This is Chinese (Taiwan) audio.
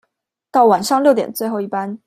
到晚上六點最後一班